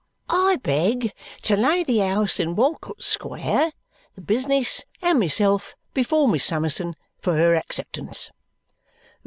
I beg to lay the 'ouse in Walcot Square, the business, and myself before Miss Summerson for her acceptance."